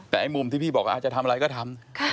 แต่ไอ้มุมที่พี่บอกว่าจะทำอะไรก็ทำ